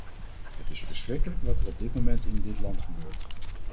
Het is verschrikkelijk wat er op dit moment in dit land gebeurt.